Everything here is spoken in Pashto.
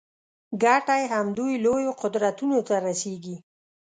ګټه یې همدوی لویو قدرتونو ته رسېږي.